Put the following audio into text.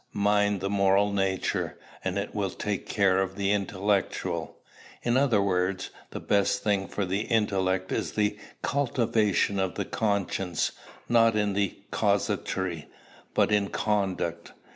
Mind the moral nature, and it will take care of the intellectual. In other words, the best thing for the intellect is the cultivation of the conscience, not in casuistry, but in conduct.